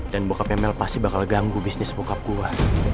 dan bokapnya mel pasti bakal ganggu bisnis bokap gue